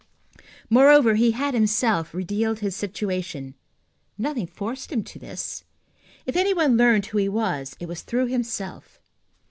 Moreover, he had himself revealed his situation. Nothing forced him to this. If any one learned who he was, it was through himself.